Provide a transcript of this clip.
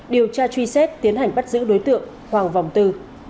điều tra truy xét tiến hành bắt giữ đối tượng hoàng vòng tư